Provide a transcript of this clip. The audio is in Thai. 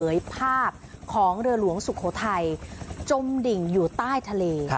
ภาพของเรือหลวงสุโขทัยจมดิ่งอยู่ใต้ทะเล